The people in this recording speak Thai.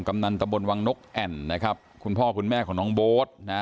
ำนันตะบนวังนกแอ่นนะครับคุณพ่อคุณแม่ของน้องโบ๊ทนะ